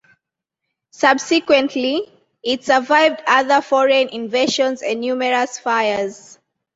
Subsequently, it survived other foreign invasions and numerous fires.